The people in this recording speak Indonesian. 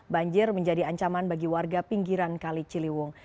banjir menjadi ancaman bagi warga pinggiran kali ciliwung